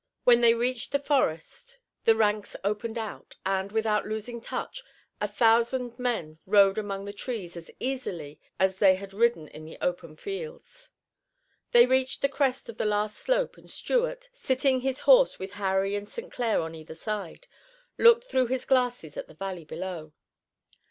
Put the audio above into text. When they reached the forest the ranks opened out, and, without losing touch, a thousand men rode among the trees as easily as they had ridden in the open fields. They reached the crest of the last slope and Stuart, sitting his horse with Harry and St. Clair on either side, looked through his glasses at the valley below.